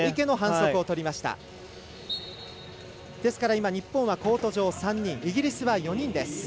今、日本はコート上、３人イギリスは４人です。